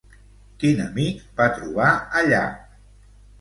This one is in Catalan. Quin amic va trobar allà?